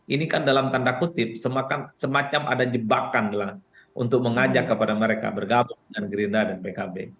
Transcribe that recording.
ini kan dalam tanda kutip semacam ada jebakan lah untuk mengajak kepada mereka bergabung dengan gerindra dan pkb